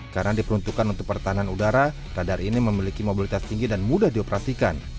karena diperuntukkan untuk pertahanan udara radar ini memiliki mobilitas tinggi dan mudah dioperasikan